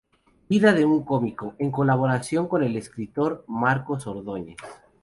Vida de un cómico", en colaboración con el escritor Marcos Ordóñez.